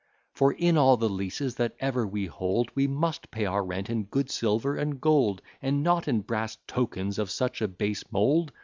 For, in all the leases that ever we hold, We must pay our rent in good silver and gold, And not in brass tokens of such a base mould.